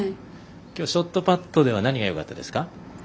ショートパットでは何がよかったですか？